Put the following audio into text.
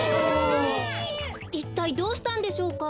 いったいどうしたんでしょうか？